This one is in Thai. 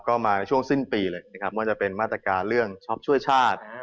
ก็มาช่วงสิ้นปีเลยนะครับว่าจะเป็นมาตรการเรื่องช็อปช่วยชาติ